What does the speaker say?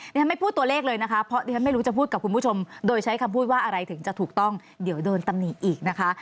ฉันไม่พูดตัวเลขเลยนะคะเพราะดิฉันไม่รู้จะพูดกับคุณผู้ชมโดยใช้คำพูดว่าอะไรถึงจะถูกต้องเดี๋ยวโดนตำหนิอีกนะคะ